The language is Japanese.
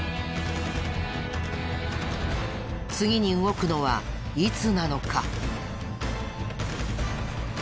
次に動くのはいつなのか？